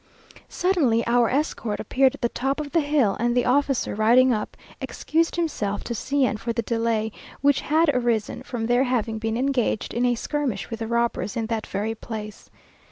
Suddenly our escort appeared at the top of the hill, and the officer, riding up, excused himself to C n for the delay, which had arisen from their having been engaged in a skirmish with the robbers in that very place.